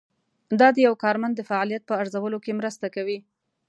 دا د یو کارمند د فعالیت په ارزولو کې مرسته کوي.